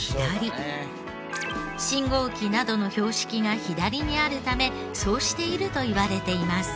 信号機などの標識が左にあるためそうしているといわれています。